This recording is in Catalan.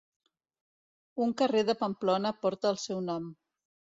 Un carrer de Pamplona porta el seu nom.